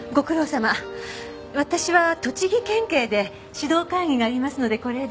私は栃木県警で指導会議がありますのでこれで。